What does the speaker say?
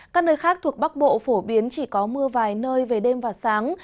các nơi khác thuộc bắc bộ phổ biến chỉ có mưa vài nơi về đêm và sáng